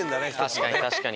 確かに確かに。